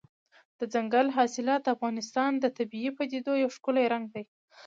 دځنګل حاصلات د افغانستان د طبیعي پدیدو یو ښکلی رنګ دی.